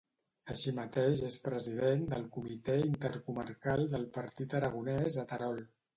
Així mateix és President del Comitè Intercomarcal del Partit Aragonès a Terol.